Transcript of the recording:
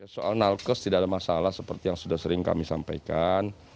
soal nakes tidak ada masalah seperti yang sudah sering kami sampaikan